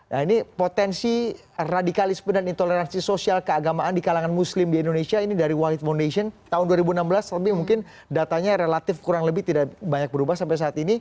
nah ini potensi radikalisme dan intoleransi sosial keagamaan di kalangan muslim di indonesia ini dari white foundation tahun dua ribu enam belas tapi mungkin datanya relatif kurang lebih tidak banyak berubah sampai saat ini